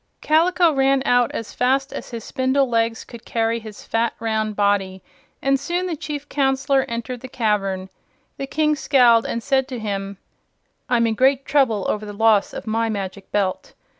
Kaliko ran out as fast as his spindle legs could carry his fat, round body, and soon the Chief Counselor entered the cavern. The King scowled and said to him: "I'm in great trouble over the loss of my Magic Belt.